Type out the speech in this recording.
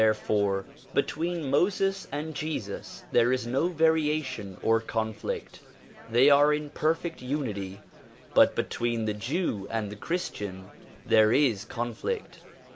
Therefore between Moses and Jesus there is no variation or conflict. They are in perfect unity but between the Jew and the Christian there is con flict.